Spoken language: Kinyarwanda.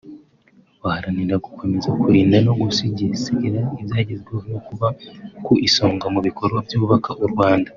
baharanira gukomeza kurinda no gusigasira ibyagezweho no kuba ku isonga mu bikorwa byubaka u Rwanda